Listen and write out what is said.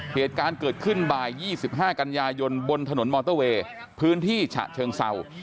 เหตุการณ์เกิดขึ้นบ่าย๒๕กันยายนบนถนนมอเตอร์เวย์พื้นที่ฉะเชิงเศร้า